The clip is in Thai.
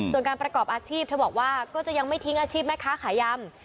ส่วนการประกอบอาชีพเธอบอกว่าก็จะยังไม่ทิ้งอาชีพแม่ค้าขายยำ